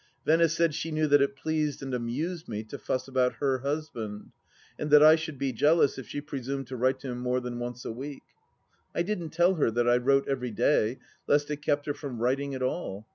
Venice said she knew that it pleased and amused me to fuss about her husband, and that I should be jealous if she pre sumed to write to him more than once a week. I didn't tell her that I wrote every day, lest it kept her from writing at all